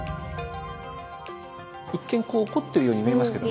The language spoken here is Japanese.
一見怒ってるように見えますけどね。